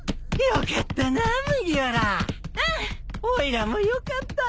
・おいらもよかった。